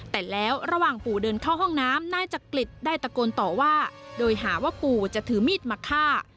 แต่แล้วระหว่างปู่เดินเข้าห้องน้ำนายจักริตได้ตะโกนต่อว่าโดยหาว่าปู่จะถือมีดมาฆ่า